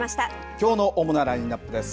きょうの主なラインナップです。